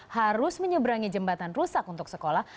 harus menyeberangi jembatan rusak untuk sekolah